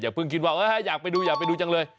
เพิ่งคิดว่าอยากไปดูอยากไปดูจังเลย